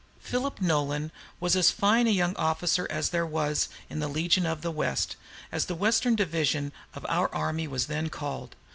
PHILIP NOLAN was as fine a young officer as there was in the "Legion of the West," as the Western division of our army was then called.